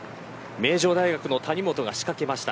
名城大学の谷本が仕掛けました。